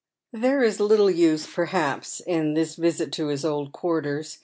There is little use, perhaps, in this visit to hia old quarters.